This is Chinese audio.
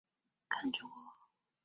看着我